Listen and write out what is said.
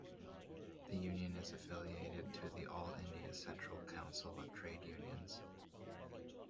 The union is affiliated to the All India Central Council of Trade Unions.